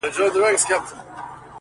ځکه چي ماته يې زړگی ويلی.